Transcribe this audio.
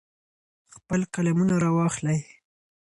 خپل قلمونه را واخلئ.